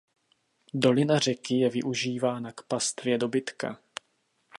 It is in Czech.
Dolina řeky je využívaná k pastvě dobytka.